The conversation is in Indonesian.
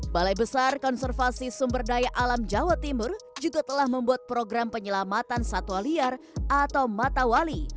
balai besar konservasi sumber daya alam jawa timur juga telah membuat program penyelamatan satwa liar atau matawali